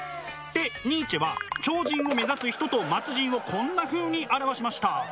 でニーチェは超人を目指す人と末人をこんなふうに表しました。